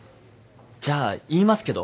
じゃあ言いますけど。